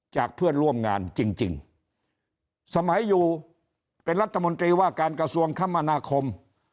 เพื่อนร่วมงานจริงสมัยอยู่เป็นรัฐมนตรีว่าการกระทรวงคมนาคม